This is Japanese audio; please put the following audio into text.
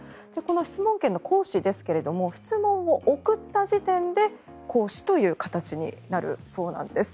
質問権の行使ですが質問を送った時点で行使という形になるそうなんです。